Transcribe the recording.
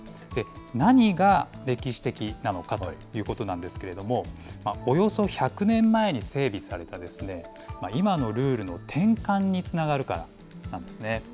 何が歴史的なのかということなんですけれども、およそ１００年前に整備された今のルールの転換につながるからなんですね。